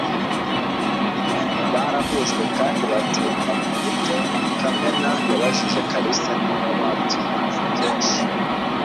Barahujwe kandi batemba kuburyo Carmen yabajije Kalisa niba babyina kenshi.